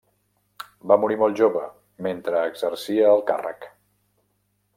Va morir molt jove, mentre exercia el càrrec.